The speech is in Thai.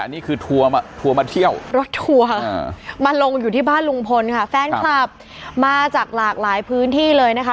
นี่คือทัวร์มาเที่ยวรถทัวร์มาลงอยู่ที่บ้านลุงพลค่ะแฟนคลับมาจากหลากหลายพื้นที่เลยนะคะ